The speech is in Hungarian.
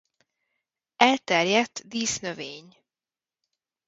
Elterjedt dísznövény.